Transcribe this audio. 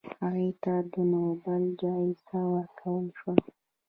هغې ته د نوبل جایزه ورکړل شوه.